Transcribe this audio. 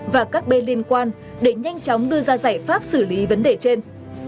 và các bên liên quan để nhanh chóng đưa ra giải pháp xử lý vấn đề trên